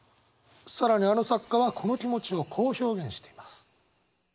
更にあの作家はこの気持ちをこう表現しています。